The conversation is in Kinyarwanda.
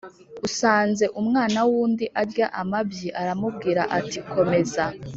Usanze umwana w’undi arya amabyi aramubwira ati: komeza.